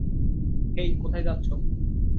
হেই, কোথায় যাচ্ছ?